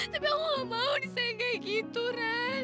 tapi aku gak mau disenggai gitu ran